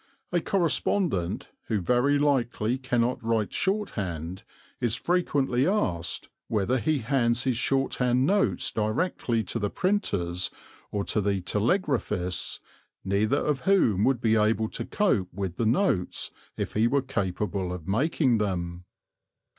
A correspondent, who very likely cannot write shorthand, is frequently asked whether he hands his shorthand notes directly to the printers or to the telegraphists, neither of whom would be able to cope with the notes if he were capable of making them.